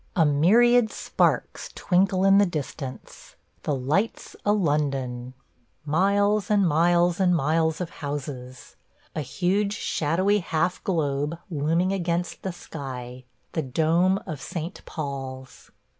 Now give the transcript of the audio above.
A myriad sparks twinkle in the distance – the "Lights o' London!" ... Miles and miles and miles of houses. A huge, shadowy half globe looming against the sky – the dome of St. Paul's.